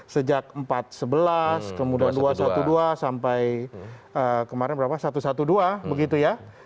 sejak empat sebelas kemudian dua ratus dua belas sampai kemarin berapa satu ratus dua belas begitu ya